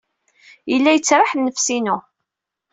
Yella yettraḥ nnefs-inu.